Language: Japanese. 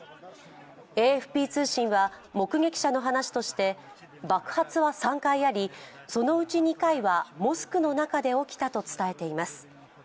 ＡＦＰ通信は目撃者の話として爆発は３回あり、そのうち２回はモスクの中で起きたと伝えています。